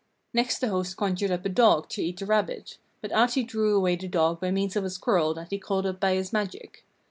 Next the host conjured up a dog to eat the rabbit, but Ahti drew away the dog by means of a squirrel that he called up by his magic.